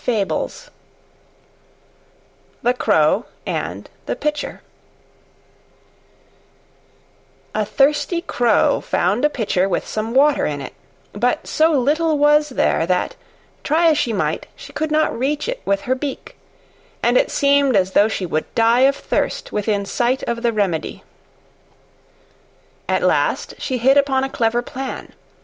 THE CROW AND THE PITCHER A thirsty Crow found a Pitcher with some water in it, but so little was there that, try as she might, she could not reach it with her beak, and it seemed as though she would die of thirst within sight of the remedy. At last she hit upon a clever plan.